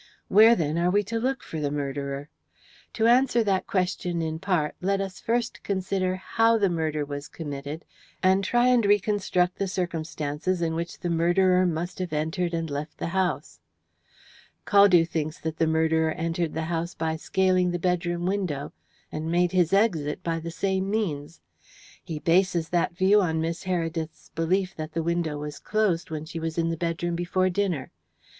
Where, then, are we to look for the murderer? To answer that question, in part, let us first consider how the murder was committed, and try and reconstruct the circumstances in which the murderer must have entered and left the house. "Caldew thinks that the murderer entered the house by scaling the bedroom window, and made his exit by the same means. He bases that view on Miss Heredith's belief that the window was closed when she was in the bedroom before dinner.